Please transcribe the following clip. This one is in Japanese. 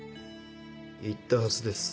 言ったはずです。